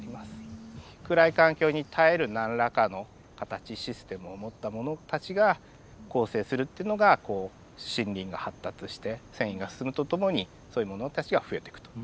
暗い環境に耐える何らかの形システムを持ったものたちが構成するっていうのがこう森林が発達して遷移が進むとともにそういうものたちが増えてくと。